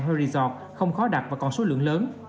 hay resort không khó đặt và còn số lượng lớn